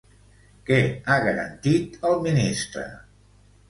Què ha garantit el ministre?